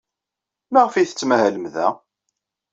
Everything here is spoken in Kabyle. Maɣef ay tettmahalem da?